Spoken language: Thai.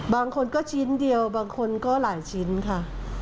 บางคนก็ชิ้นเดียวบางคนก็หลายชิ้นค่ะ